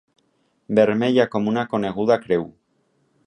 Vermella com una coneguda creu.